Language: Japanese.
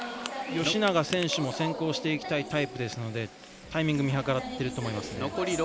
吉永選手も先行していきたいタイプですのでタイミング見計らっていると思います。